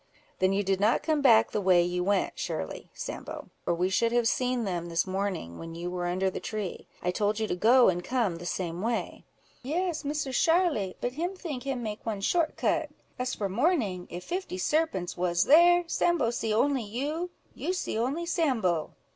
"Then you did not come back the way you went surely, Sambo, or we should have seen them this morning, when you were under the tree. I told you to go and come the same way." "Yes, Misser Sharly, but him think him make one short cut. As for morning, if fifty serpents was there, Sambo see only you—you see only Sambo."